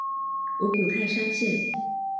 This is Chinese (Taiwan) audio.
五股泰山線